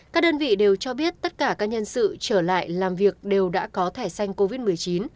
các đơn vị đều cho biết tất cả các nhân sự trở lại làm việc đều đã có thẻ xanh covid một mươi chín